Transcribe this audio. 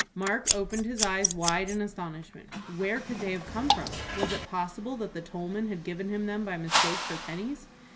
Mark opened his eyes wide in astonishment. Where could they have come from? Was it possible that the tollman had given him them by mistake for pennies?